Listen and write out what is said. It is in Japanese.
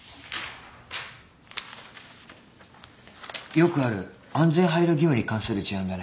よくある安全配慮義務に関する事案だね。